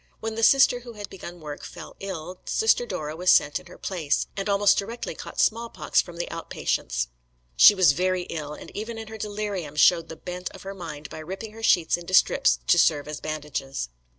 When the Sister who had begun the work fell ill, Sister Dora was sent in her place, and almost directly caught small pox from the outpatients. She was very ill, and even in her delirium showed the bent of her mind by ripping her sheets into strips to serve as bandages.